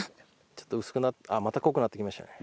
ちょっと薄くあっまた濃くなってきましたね。